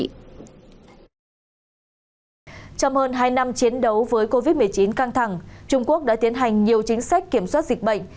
trong hơn hai năm chiến đấu với covid một mươi chín căng thẳng trung quốc đã tiến hành nhiều chính sách kiểm soát dịch bệnh